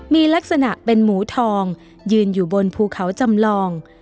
มีลักษณะเป็นหมูทองยืนอยู่บนภูเขาจำลอง